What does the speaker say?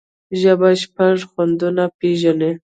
ژبه شپږ خوندونه پېژني.